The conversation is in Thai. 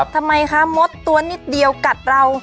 ทำไมคะมดตัวนิดเดียวกัดเรา